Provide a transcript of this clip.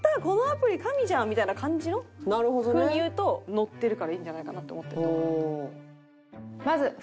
「このアプリ神じゃん！」みたいな感じの風に言うとノッてるからいいんじゃないかなと思って。